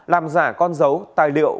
làm giả con dấu tài liệu